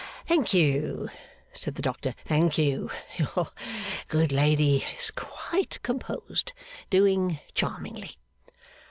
'Thank you,' said the doctor, 'thank you. Your good lady is quite composed. Doing charmingly.